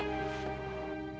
terobatin aku ya